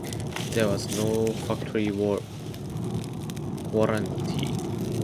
There was no factory warranty.